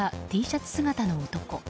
Ｔシャツ姿の男。